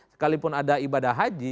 sekalipun ada ibadah haji